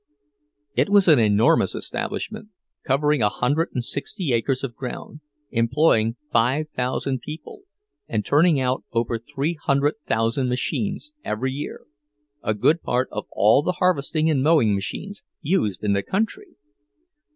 It was an enormous establishment, covering a hundred and sixty acres of ground, employing five thousand people, and turning out over three hundred thousand machines every year—a good part of all the harvesting and mowing machines used in the country.